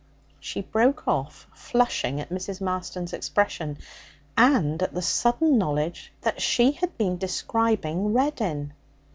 She broke off, flushing at Mrs. Marston's expression, and at the sudden knowledge that she had been describing Reddin.